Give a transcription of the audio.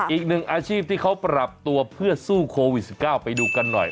อีกหนึ่งอาชีพที่เขาปรับตัวเพื่อสู้โควิด๑๙ไปดูกันหน่อย